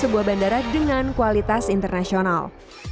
sebuah bandara dengan kualitas internasional